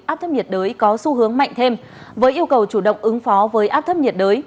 áp thấp nhiệt đới có xu hướng mạnh thêm với yêu cầu chủ động ứng phó với áp thấp nhiệt đới